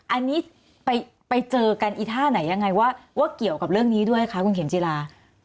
อันนี้ไปเจอกันอีท่าไหนยังไงว่าเกี่ยวกับเรื่องนี้ด้วยคะคุณเข็มจิลา